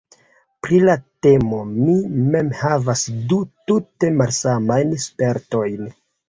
Pri la temo mi mem havas du tute malsamajn spertojn.